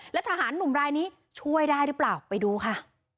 แล้วทหารหนุ่มรายนี้ช่วยได้หรือเปล่าไปดูค่ะ